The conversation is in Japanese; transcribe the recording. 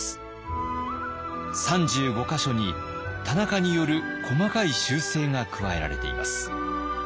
３５か所に田中による細かい修正が加えられています。